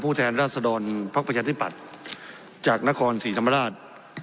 ผู้แทนราชดรพรรคประชาธิปัตธ์จากนาคอลสีธรรมราช